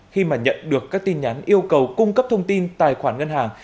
khi mà nhận được các tin nhắn yêu cầu cung cấp thông tin tài khoản ngân hàng